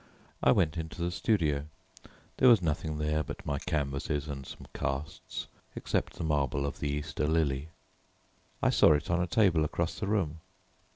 I went into the studio; there was nothing there but my canvases and some casts, except the marble of the Easter lily. I saw it on a table across the room.